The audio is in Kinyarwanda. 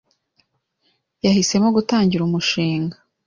yahisemo gutangiza umushinga.